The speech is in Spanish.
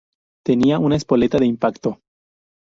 Tenían una espoleta de impacto.